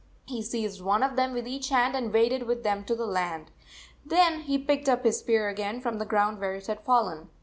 He seized one of them with each hand and waded with them to land. Then he picked up his spear again from the ground where it had fallen.